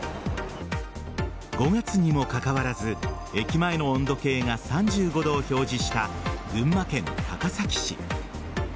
５月にもかかわらず駅前の温度計が３５度を表示した群馬県高崎市。